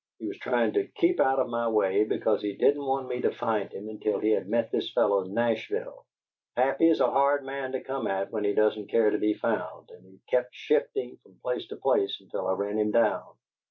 He was trying to keep out of my way because he didn't want me to find him until he had met this fellow Nashville. Happy is a hard man to come at when he doesn't care to be found, and he kept shifting from place to place until I ran him down.